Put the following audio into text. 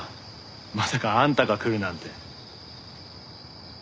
まさかあんたが来るなんて。